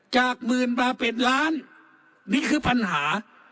จากหมื่นบาทเป็นล้านนี่คือปัญหา